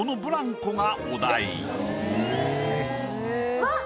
うわっ！